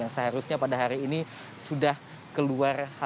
yang seharusnya pada hari ini sudah keluar